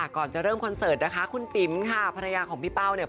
ก่อนจะเริ่มคอนเสิร์ตนะคะคุณปิ๋มค่ะภรรยาของพี่เป้าเนี่ย